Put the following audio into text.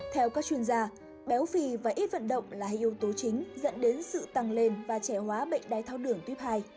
theo các chuyên gia béo phì và ít vận động là hai yếu tố chính dẫn đến sự tăng lên và trẻ hóa bệnh đái tháo đường tuyếp hai